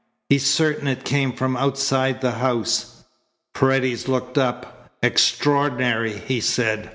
He's certain it came from outside the house." Paredes looked up. "Extraordinary!" he said.